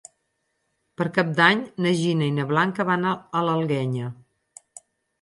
Per Cap d'Any na Gina i na Blanca van a l'Alguenya.